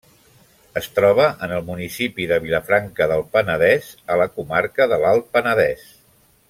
Es troba en el municipi de Vilafranca del Penedès, a la comarca de l'Alt Penedès.